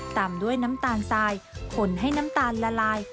ตามด้วยน้ำตาลทรายขนให้น้ำตาลละลาย